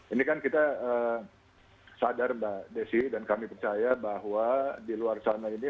ini kan kita sadar mbak desi dan kami percaya bahwa di luar sana ini